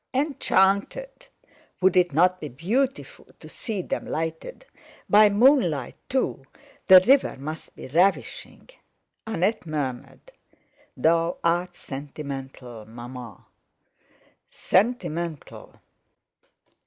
Enchanted, would it not be beautiful to see them lighted? By moonlight too, the river must be ravishing! Annette murmured: "Thou art sentimental, Maman!" Sentimental!